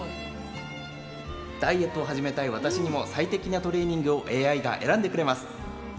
ダイエットを始めたい私にも最適なトレーニングをＡＩが選んでくれます。